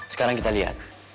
sekarang kita lihat